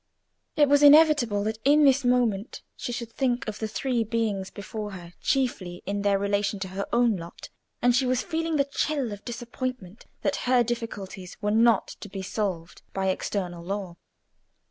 It was inevitable that in this moment she should think of the three beings before her chiefly in their relation to her own lot, and she was feeling the chill of disappointment that her difficulties were not to be solved by external law.